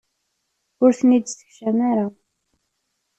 Ur ten-id-ssekcam ara.